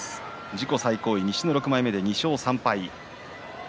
自己最高位西の６枚目で２勝３敗。